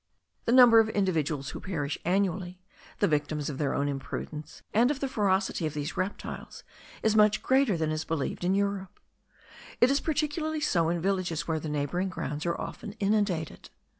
The number of individuals who perish annually, the victims of their own imprudence and of the ferocity of these reptiles, is much greater than is believed in Europe. It is particularly so in villages where the neighbouring grounds are often inundated.